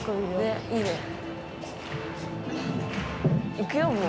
行くよもう。